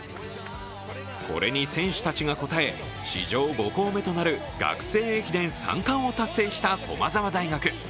これに選手たちが応え史上５校目となる学生駅伝３冠を達成した駒澤大学。